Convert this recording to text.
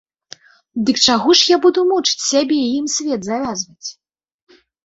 Дык чаго ж я буду мучыць сябе і ім свет завязваць?